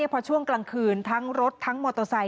พอช่วงกลางคืนทั้งรถทั้งมอเตอร์ไซค